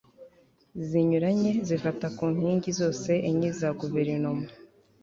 zinyuranye zifata ku nkingi zose enye za Guverinoma